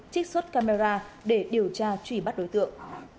trích xuất camera để điều tra truy bắt đối tượng